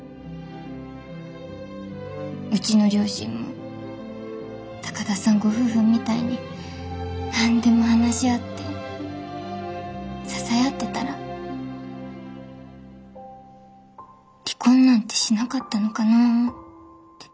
うちの両親も高田さんご夫婦みたいに何でも話し合って支え合ってたら離婚なんてしなかったのかなって。